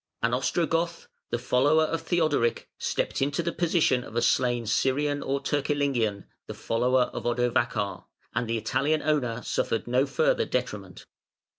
An Ostrogoth, the follower of Theodoric, stepped into the position of a slain Scyrian or Turcilingian, the follower of Odovacar, and the Italian owner suffered no further detriment.